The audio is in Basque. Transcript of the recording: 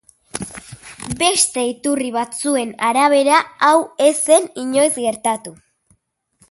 Beste iturri batzuen arabera hau ez zen inoiz gertatu.